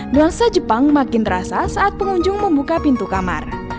nuansa jepang makin terasa saat pengunjung membuka pintu kamar